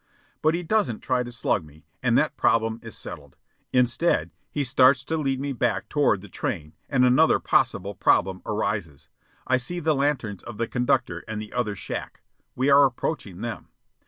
But he doesn't try to slug me, and that problem is settled. Instead, he starts to lead me back toward the train, and another possible problem arises. I see the lanterns of the conductor and the other shack. We are approaching them.